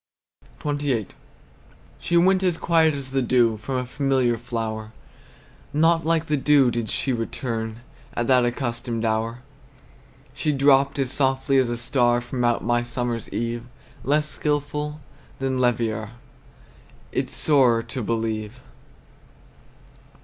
XXVIII. She went as quiet as the dew From a familiar flower. Not like the dew did she return At the accustomed hour! She dropt as softly as a star From out my summer's eve; Less skilful than Leverrier It's sorer to believe!